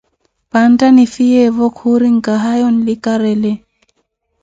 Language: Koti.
Panta nifhiyevo, khuri, nkahaya onlikarele.